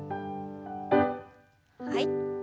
はい。